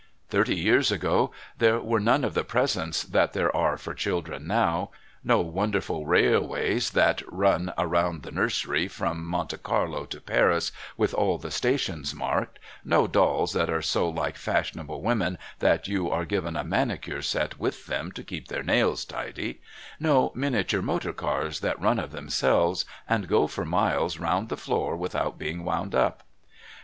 Thirty years ago there were none of the presents that there are for children now no wonderful railways that run round the nursery from Monte Carlo to Paris with all the stations marked; no dolls that are so like fashionable women that you are given a manicure set with them to keep their nails tidy; no miniature motor cars that run of themselves and go for miles round the floor without being wound up.